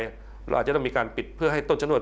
เราอาจจะต้องมีการปิดเพื่อให้ต้นชะนวด